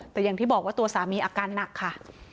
แต่อย่างที่บอกว่าตัวสามีอาการหนักค่ะ